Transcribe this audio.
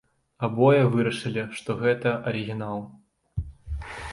Абое вырашылі, што гэта арыгінал.